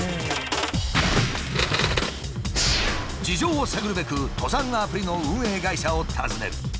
事情を探るべく登山アプリの運営会社を訪ねる。